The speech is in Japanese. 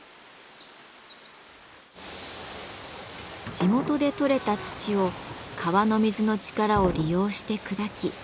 地元でとれた土を川の水の力を利用して砕き陶土を作ります。